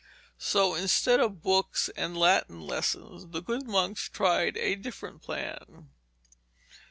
So instead of books and Latin lessons, the good monks tried a different plan.